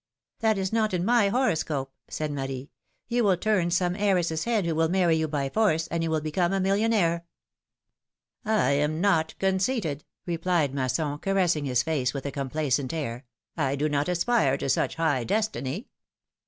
"That is not my horoscope," said Marie; "you will turn some heiress' head who will marry you by force, and you will become a millionnaire." "I am not conceited!" replied Masson, caressing his face with a complacent air ;" I do not aspire to such high destiny